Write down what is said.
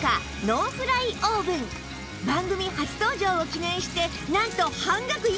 番組初登場を記念してなんと半額以下でご紹介！